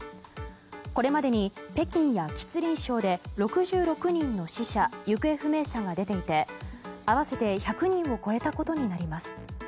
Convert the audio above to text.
これまでに北京や吉林省で６６人の死者・行方不明者が出ていて合わせて１００人を超えたことになります。